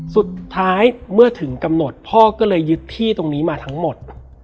สุดท้ายเมื่อถึงกำหนดพ่อก็เลยยึดที่ตรงนี้มาทั้งหมด